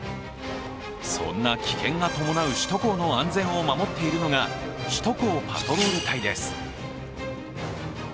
そんな危険が伴う首都高の安全を守っているのが首都高パトロール隊です。